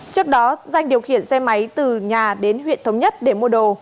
trước đó danh điều khiển xe máy từ nhà đến huyện thống nhất để mua đồ